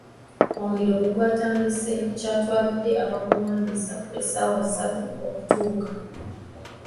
Omuliro bwe gwatandise, kyatwalidde abagulwanyisa essaawa ssatu okutuuka.